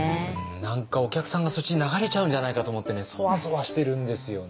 何かお客さんがそっちに流れちゃうんじゃないかと思ってねそわそわしてるんですよね。